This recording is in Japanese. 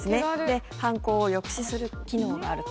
で犯行を抑止する機能があると。